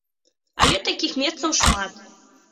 Але такіх месцаў шмат.